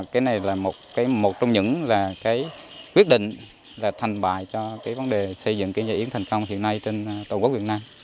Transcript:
cái này là một trong những quyết định thành bài cho vấn đề xây dựng nhà yến thành công hiện nay trên tổ quốc việt nam